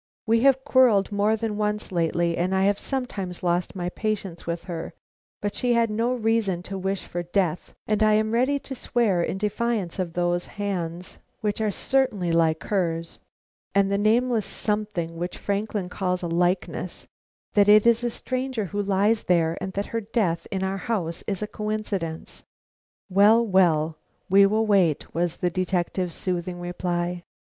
We have quarrelled more than once lately, and I have sometimes lost my patience with her, but she had no reason to wish for death, and I am ready to swear in defiance of those hands, which are certainly like hers, and the nameless something which Franklin calls a likeness, that it is a stranger who lies there, and that her death in our house is a coincidence." "Well, well, we will wait," was the detective's soothing reply.